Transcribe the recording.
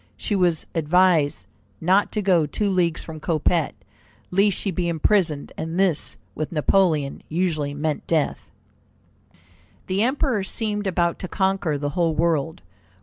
She was advised not to go two leagues from Coppet, lest she be imprisoned, and this with Napoleon usually meant death. The Emperor seemed about to conquer the whole world.